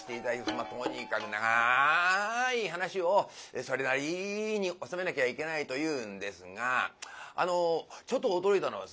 まっとにかくながい噺をそれなりに収めなきゃいけないというんですがあのちょっと驚いたのはですね